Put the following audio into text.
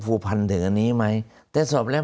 ผูกพันถึงอันนี้ไหมแต่สอบแล้ว